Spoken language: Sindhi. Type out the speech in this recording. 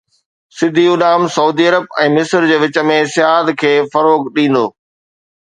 سڌي اڏام سعودي عرب ۽ مصر جي وچ ۾ سياحت کي فروغ ڏيندو